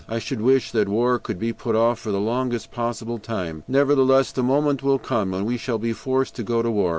I should wish that war could be put off for the longest possible time. Nevertheless, the moment will come when we shall be forced to go to war.